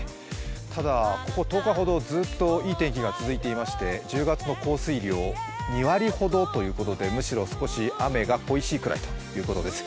ただここ１０日ほどずっといい天気が続いていまして１０月の降水量２割ほどということで、むしろ少し雨が恋しいぐらいということです。